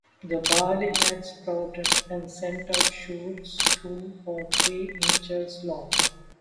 The barley had sprouted and sent out shoots two or three inches long.